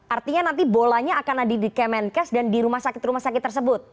artinya nanti bolanya akan ada di kemenkes dan di rumah sakit rumah sakit tersebut